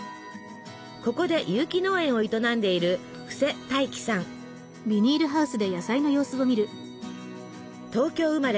ここで有機農園を営んでいる東京生まれ